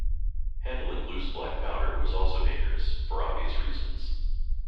Handling loose black powder was also dangerous, for obvious reasons.